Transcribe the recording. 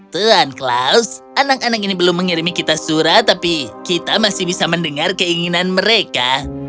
tuan klaus anak anak ini belum mengirimi kita surat tapi kita masih bisa mendengar keinginan mereka